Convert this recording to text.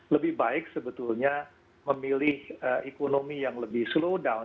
lebih baik sebetulnya memilih ekonomi yang lebih slow down